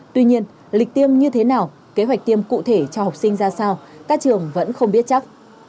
tuy nhiên lịch tiêm như thế nào kế hoạch tiêm cụ thể cho học sinh ra sao các trường vẫn không biết chắc